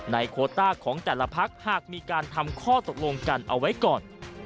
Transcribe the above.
โคต้าของแต่ละพักหากมีการทำข้อตกลงกันเอาไว้ก่อน